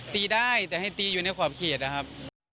ตีได้แต่ให้ตีอยู่ในขอบเขตนะครับ